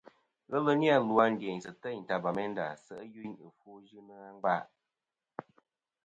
Ghelɨ ni-a lu a ndiynsɨ̀ teyn ta Bamenda se' i yuyn i ɨfwo yɨnɨ a ngva.